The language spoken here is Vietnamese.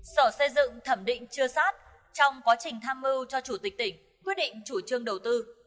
sở xây dựng thẩm định chưa sát trong quá trình tham mưu cho chủ tịch tỉnh quyết định chủ trương đầu tư